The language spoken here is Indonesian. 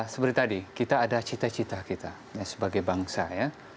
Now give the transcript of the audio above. seperti tadi kita ada cita cita kita sebagai bangsa ya